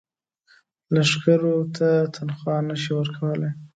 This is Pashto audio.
لښکرو ته تنخوا نه شي ورکولای.